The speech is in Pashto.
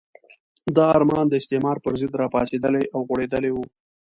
دا ارمان د استعمار پرضد راپاڅېدلی او غوړېدلی وو.